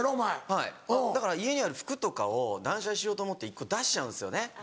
はいだから家にある服とかを断捨離しようと思って出しちゃうんですよね。